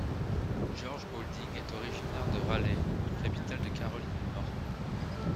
George Holding est originaire de Raleigh, capitale de Caroline du Nord.